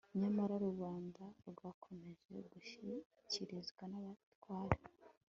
Nyamara rubanda rwakomeje gushishikarizwa nabatware